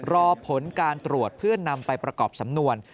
รอผลการตรวจเพื่อนำไปประกอบสำนวน